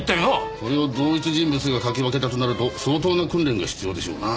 これを同一人物が書き分けたとなると相当な訓練が必要でしょうな。